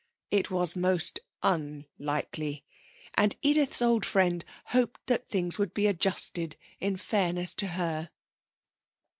It was most unlikely. And Edith's old friend hoped that things would be adjusted in fairness to her.